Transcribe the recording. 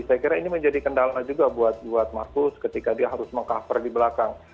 saya kira ini menjadi kendala juga buat marcus ketika dia harus meng cover di belakang